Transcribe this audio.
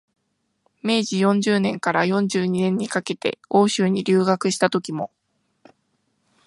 明治四十年から四十二年にかけて欧州に留学したときも、